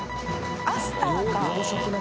アスターか。